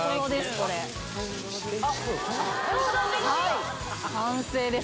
これ完成です